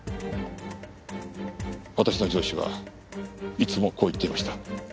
私の上司はいつもこう言っていました。